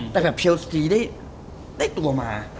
แต่แบบเชลสกรีได้ตัวมา